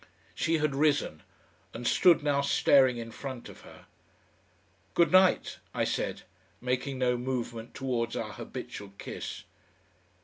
She had risen and stood now staring in front of her. "Good night," I said, making no movement towards our habitual kiss.